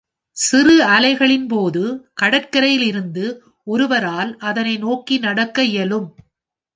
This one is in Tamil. சிறு அலைகளின் போது கடற்கரையிலிருந்து ஒருவரால் அதனை நோக்கி நடக்க இயலும்.